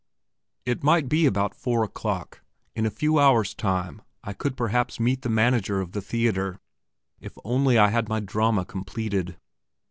It might be about four o'clock; in a few hours' time I could perhaps meet the manager of the theatre; if only I had my drama completed.